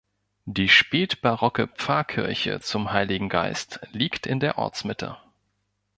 Die spätbarocke Pfarrkirche zum Heiligen Geist liegt in der Ortsmitte.